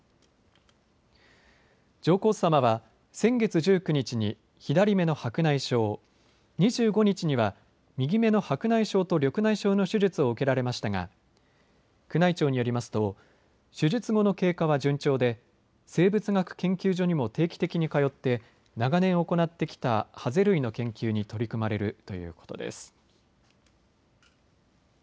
上皇さまは先月１９日に左目の白内障、２５日には右目の白内障と緑内障の手術を受けられましたが宮内庁によりますと手術後の経過は順調で生物学研究所にも定期的に通って長年行ってきたハゼ類の研究に取り組まれるということです。